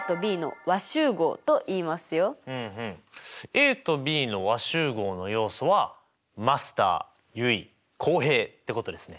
ＡとＢの和集合の要素はマスター結衣浩平ってことですね。